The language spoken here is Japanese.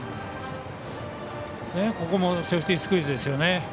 ここもセーフティースクイズですよね。